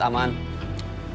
kita sebetulnya aman